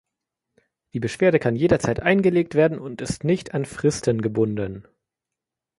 Die Beschwerde kann jederzeit eingelegt werden und ist nicht an Fristen gebunden.